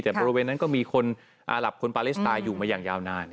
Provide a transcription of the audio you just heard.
แต่บริเวณนั้นก็มีคนอาหลับคนปาเลสไตล์อยู่มาอย่างยาวนาน